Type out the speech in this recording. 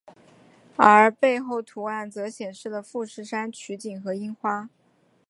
而背面图案则显示了富士山取景和樱花。